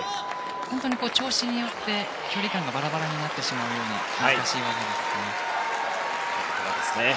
本当に調子によって距離感がバラバラになってしまうような難しい技ですね。